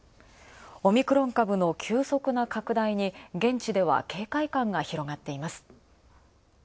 オミクロン株の急速な拡大に現地では警戒感が広がっています。